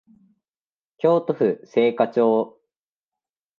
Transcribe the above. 京都府精華町